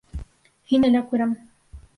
Һине лә күрәм.